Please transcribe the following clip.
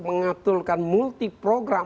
mengaturkan multi program